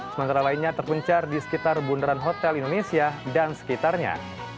sementara lainnya terpencar di sekitar bundaran hotel indonesia dan sekitarnya